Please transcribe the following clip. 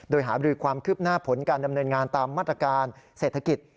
โดยหาบรือความคืบหน้าผลการดำเนินงานตามมาตรการเศรษฐกิจ